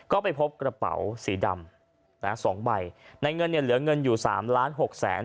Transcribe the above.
ก็ไปพบกระเป๋าสีดำนะฮะสองใบในเงินเนี่ยเหลือเงินอยู่สามล้านหกแสน